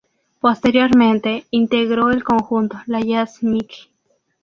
Posteriormente integró el conjunto "La jazz Mickey".